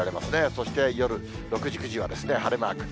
そして夜６時、９時は晴れマーク。